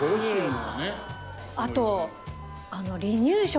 あと。